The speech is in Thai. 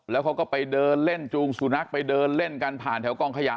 แล้วเขาก็ไปเดินเล่นจูงสุนัขไปเดินเล่นกันผ่านแถวกองขยะ